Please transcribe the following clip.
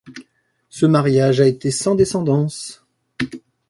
Ce mariage a été sans descendance.